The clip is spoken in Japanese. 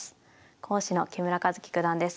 講師の木村一基九段です。